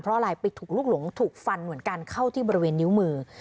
เพราะอะไรไปถูกลูกหลงถูกฟันเหมือนกันเข้าที่บริเวณนิ้วมือ